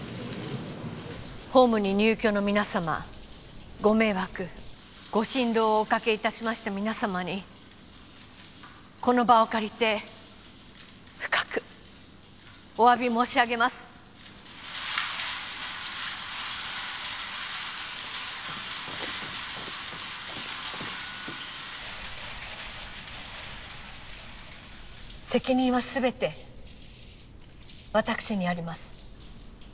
ホームに入居の皆様ご迷惑ご心労をおかけいたしました皆様にこの場を借りて深くお詫び申し上げます責任は全て私にあります